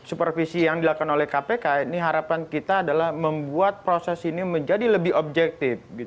supervisi yang dilakukan oleh kpk ini harapan kita adalah membuat proses ini menjadi lebih objektif